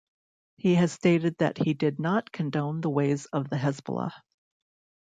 He has stated that he did not condone the ways of the Hezbollah.